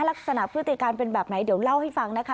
พฤติการเป็นแบบไหนเดี๋ยวเล่าให้ฟังนะคะ